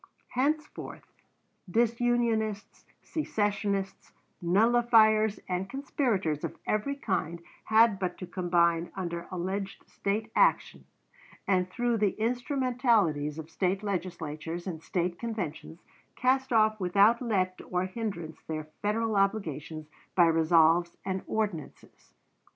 Henceforth disunionists, secessionists, nullifiers, and conspirators of every kind had but to combine under alleged State action, and through the instrumentalities of State Legislatures and State conventions cast off without let or hinderance their Federal obligations by resolves and ordinances.